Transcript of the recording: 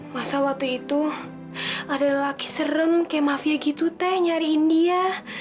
masa waktu itu ada laki serem kayak mafia gitu teh nyariin dia